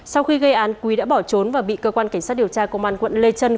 sau khi gây án quý đã bỏ trốn và bị cơ quan cảnh sát điều tra công an quận lê trân